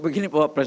begini pak wapres